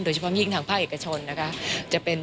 โดยเฉพาะมีทางภาคเอกชน